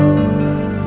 ate bisa menikah